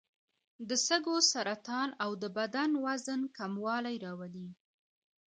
د سږو سرطان او د بدن وزن کموالی راولي.